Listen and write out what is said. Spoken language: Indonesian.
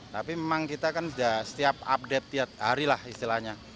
tapi memang kita kan sudah setiap update tiap hari lah istilahnya